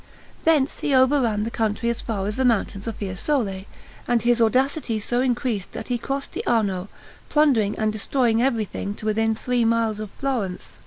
Thence he overran the country as far as the mountains of Fiesole; and his audacity so increased that he crossed the Arno, plundering and destroying everything to within three miles of Florence.